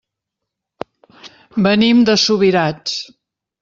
Venim de Subirats.